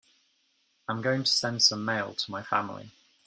I am going to send some mail to my family.